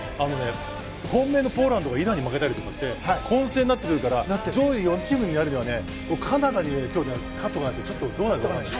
本命のポーランドやイランに負けたりして混戦になっているから上位４チームになるにはカナダに今日、勝っておかないとどうなるか。